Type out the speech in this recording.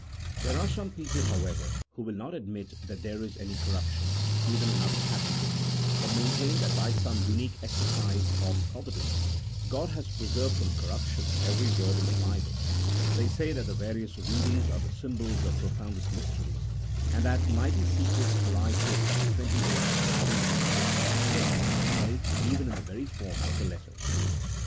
There are some people, however, who will not admit that there is any corruption, even in other passages, but main tain that by some unique exercise of providence God has preserved from corruption every word in the Bible : they say that the various readings are the symbols of pro foundest mysteries, and that mighty secrets lie hid in the twenty eight hiatus which occur, nay, even in the very form of the letters.